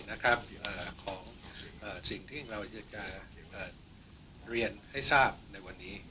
นะครับเอ่อของเอ่อสิ่งที่เราจะจะเอ่อเรียนให้ทราบในวันนี้